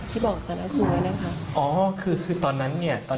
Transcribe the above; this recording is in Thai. ที่บอกตัวคุณคุณไว้นะคะ